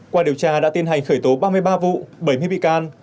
qua điều tra đã tiến hành khởi tố ba mươi ba vụ bảy mươi bị can